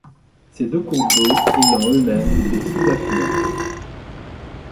Ces ceux cours d'eau ayant eux-mêmes des sous-affluents.